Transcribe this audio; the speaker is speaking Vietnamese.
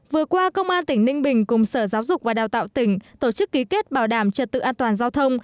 vừa qua công an tỉnh ninh bình cùng sở giáo dục và đào tạo tỉnh tổ chức ký kết bảo đảm trật tự an toàn giao thông